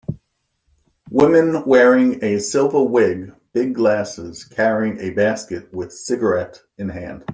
Women wearing a silver wig big glasses carrying a basket with cigarette in hand.